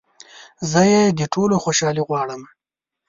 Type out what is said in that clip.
زه يې د ټولو خوشحالي غواړمه